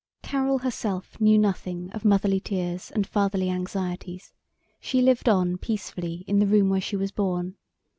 Carol herself knew nothing of motherly tears and fatherly anxieties; she lived on peacefully in the room where she was born.